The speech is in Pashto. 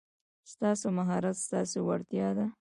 ستاسو مهارت ستاسو وړتیا ده.